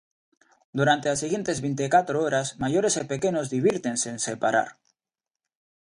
Durante as seguintes vinte e catro horas, maiores e pequenos divírtense sen parar.